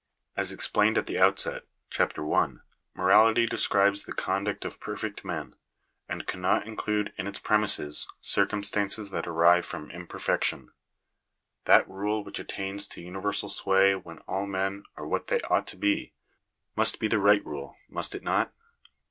As explained at the outset (Chap. I.), Morality describes the conduct of perfect men; and cannot include in its premises circumstances that arise from imperfection. That rule which attains to universal sway when all men are what they ought to be, must be the right rule, Digitized by VjOOQIC THE DUTY OF THE STATE. 271 most it not